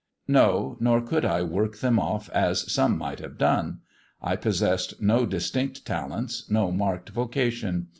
No, nor could I work them off, as some might have done. I possessed no distinct talents, no marked vocation.